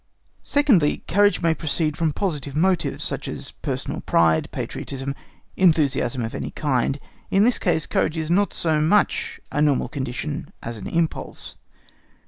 Secondly, courage may proceed from positive motives, such as personal pride, patriotism, enthusiasm of any kind. In this case courage is not so much a normal condition as an impulse.